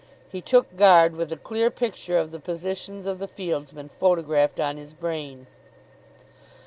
He took guard with a clear picture of the positions of the fieldsmen photographed on his brain.